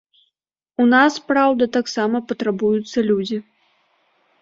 У нас, праўда, таксама патрабуюцца людзі.